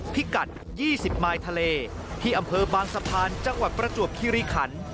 พิกัด๒๐มายทะเลที่อำเภอบางสะพานจังหวัดประจวบคิริขัน